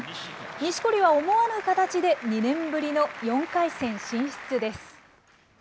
錦織は思わぬ形で、２年ぶりの４回戦進出です。